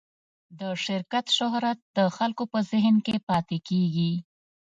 د شرکت شهرت د خلکو په ذهن کې پاتې کېږي.